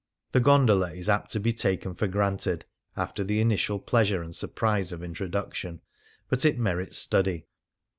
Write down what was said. The gondola is apt to be "taken for o ranted " after the initial pleasure and surprise of introduction. But it merits study.